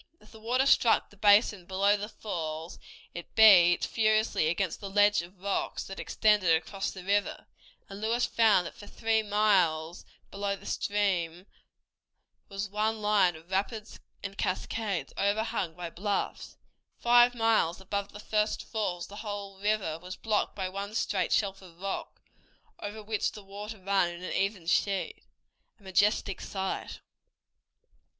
As the water struck the basin below the falls it beat furiously against the ledge of rocks that extended across the river, and Lewis found that for three miles below the stream was one line of rapids and cascades, overhung by bluffs. Five miles above the first falls the whole river was blocked by one straight shelf of rock, over which the water ran in an even sheet, a majestic sight.